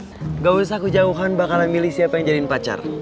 tidak usah kejauhan bakalan milih siapa yang jadiin pacar